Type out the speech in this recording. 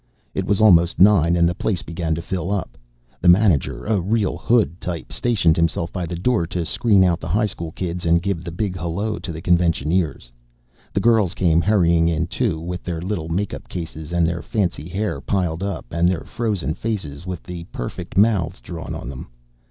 It was almost nine and the place began to fill up. The manager, a real hood type, stationed himself by the door to screen out the high school kids and give the big hello to conventioneers. The girls came hurrying in, too, with their little makeup cases and their fancy hair piled up and their frozen faces with the perfect mouths drawn on them.